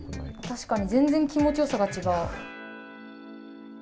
確かに全然気持ちよさが違う。